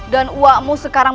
dan uakmu sekarang